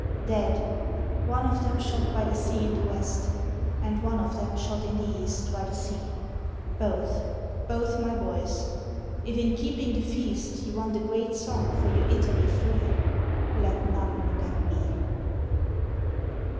Dead! one of them shot by the sea in the west, And one of them shot in the east by the sea! Both! both my boys! If in keeping the feast You want a great song for your Italy free, Let none look at me!